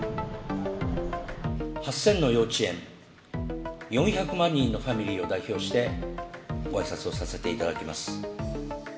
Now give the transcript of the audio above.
８０００の幼稚園、４００万人のファミリーを代表して、ごあいさつをさせていただきます。